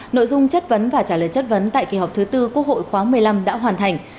nội dung chất vấn và trả lời chất vấn tại kỳ họp thứ tư quốc hội khóa một mươi năm đã hoàn thành